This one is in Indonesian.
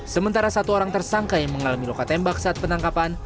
sementara satu orang tersangka yang mengalami luka tembak saat penangkapan